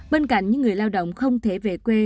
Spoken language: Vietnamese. bên cạnh những người lao động không thể về quê